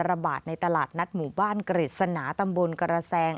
ระบาดในตลาดนัดหมู่บ้านกฤษณาตำบลกระแสง